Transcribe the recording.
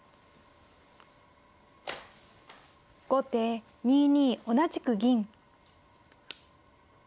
後手２二同じく銀。